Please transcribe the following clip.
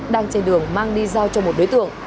đang trên đường mang đi giao cho một đối tượng